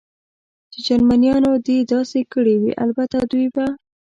چې جرمنیانو دې داسې کړي وي، البته دوی به.